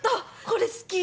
これ好き。